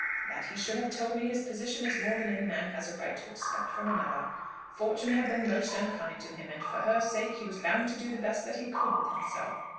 "That he should have told me his position is more than any man has a right to expect from another. Fortune had been most unkind to him, and for her sake he was bound to do the best that he could with himself.